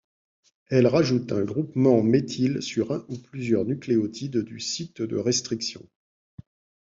Elles rajoutent un groupement méthyle sur un ou plusieurs nucléotides du site de restriction.